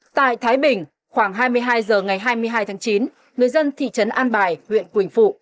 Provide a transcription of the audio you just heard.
tại thái bình khoảng hai mươi hai h ngày hai mươi hai tháng chín người dân thị trấn an bài huyện quỳnh phụ